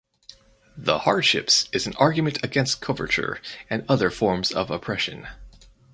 The "Hardships" is an argument against coverture and other forms of oppression.